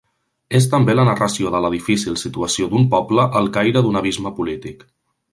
És també la narració de la difícil situació d'un poble al caire d'un abisme polític.